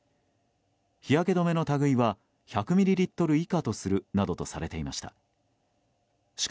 日焼け止めの類は１００ミリリットル以下とするなどとされていました。